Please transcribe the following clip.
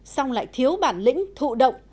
xong lại thiếu bản lĩnh thụ động